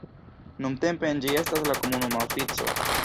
Nuntempe en ĝi estas la komunuma ofico.